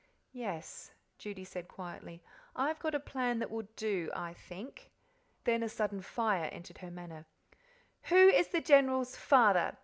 "Yes," Judy said quietly. "I've got a plan that will do, I think." Then a sudden fire entered her manner. "Who is the General's father?